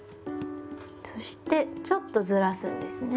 そしてちょっとずらすんですね。